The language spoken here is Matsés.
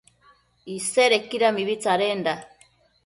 Isedequida mibi tsadenda